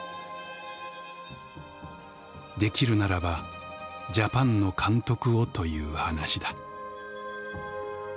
「出来るならばジャパンの監督をという話だ」。